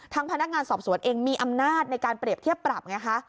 พนักงานสอบสวนเองมีอำนาจในการเปรียบเทียบปรับไงคะ